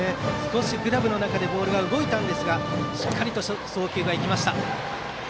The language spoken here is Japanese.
グラブの中でボールが少し動きましたがしっかりと送球が行きました。